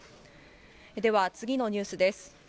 では次のニュースです。